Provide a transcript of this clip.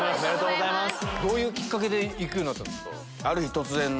どういうキッカケで行くようになったんですか？